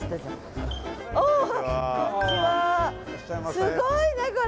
すごいねこれ！